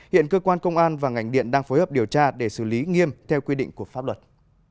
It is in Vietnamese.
hiện cơ quan công an và ngành điện đang phối hợp điều tra để xử lý nghiêm theo quy định của pháp luật